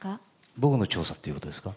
僕の調査ということですか？